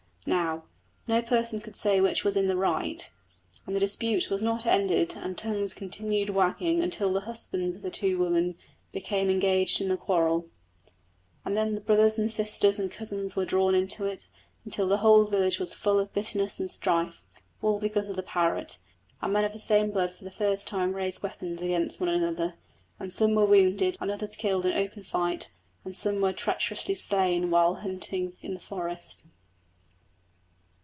Now, no person could say which was in the right, and the dispute was not ended and tongues continued wagging until the husbands of the two women became engaged in the quarrel. And then brothers and sisters and cousins were drawn into it, until the whole village was full of bitterness and strife, all because of the parrot, and men of the same blood for the first time raised weapons against one another. And some were wounded and others killed in open fight, and some were treacherously slain when hunting in the forest.